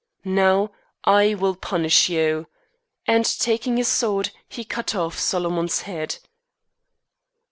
Now I will punish you," and taking his sword he cut off Solomon's head.